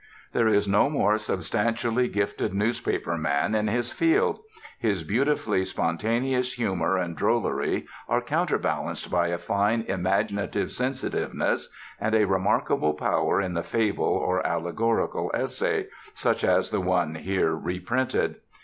There is no more substantially gifted newspaper man in his field; his beautifully spontaneous humor and drollery are counterbalanced by a fine imaginative sensitiveness and a remarkable power in the fable or allegorical essay, such as the one here reprinted.